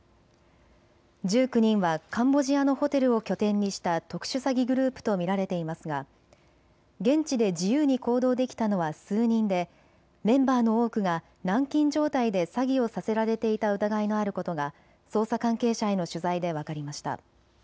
１９人はカンボジアのホテルを拠点にした特殊詐欺グループと見られていますが現地で自由に行動できたのは数人でメンバーの多くが軟禁状態で詐欺をさせられていた疑いのあることが捜査関係者への取材で分かりました。